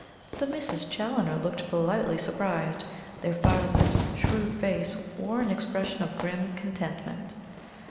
The Misses Challoner looked politely surprised; their father's shrewd face wore an expression of grim contentment.